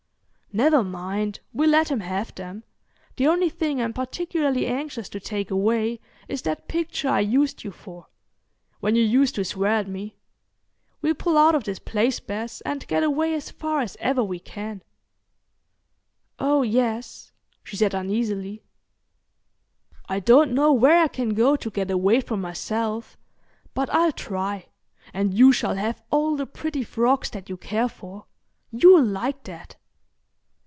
"Never mind, we'll let him have them. The only thing I'm particularly anxious to take away is that picture I used you for—when you used to swear at me. We'll pull out of this place, Bess, and get away as far as ever we can." "Oh yes," she said uneasily. "I don't know where I can go to get away from myself, but I'll try, and you shall have all the pretty frocks that you care for. You'll like that.